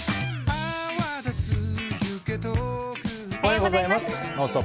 おはようございます。